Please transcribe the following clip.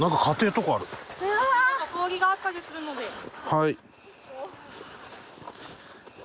はい。